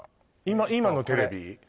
今今のテレビ？